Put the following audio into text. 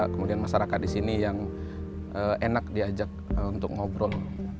kemudian masyarakat di sini yang enak diajak untuk ngobrol